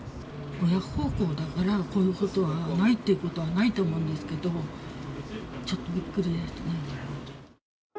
親孝行だから、こういうことはないっていうことはないと思うんですけど、ちょっとびっくりですね。